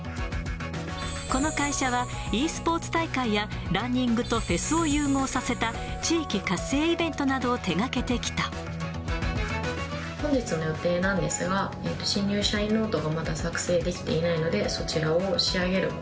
この会社は、ｅスポーツ大会や、ランニングとフェスを融合させた地域活性イベントなどを手がけて本日の予定なんですが、新入社員ノートがまだ作成できていないので、そちらを仕上げるこ